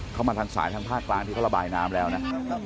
มาทางสายทางภาคกลางที่เขาระบายน้ำแล้วนะ